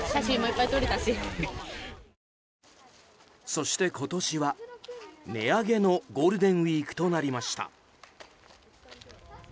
そして今年は値上げのゴールデンウィークとなりました。